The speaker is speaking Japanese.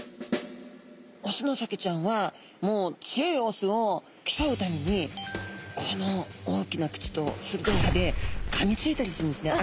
オスのサケちゃんはもう強いオスをきそうためにこの大きな口とするどい歯でかみついたりするんですね。